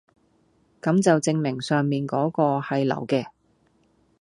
咁就證明上面嗰個係流嘅